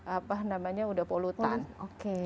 apa namanya udah polutan oke